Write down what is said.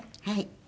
はい。